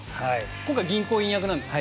今回、銀行員役なんですね。